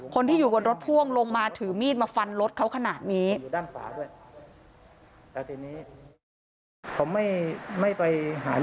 คนที่อยู่บนรถพ่วงลงมาถือมีดมาฟันรถเขาขนาดนี้